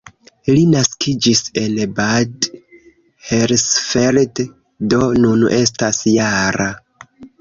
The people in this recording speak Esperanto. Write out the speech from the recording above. Li naskiĝis en Bad Hersfeld, do nun estas -jara.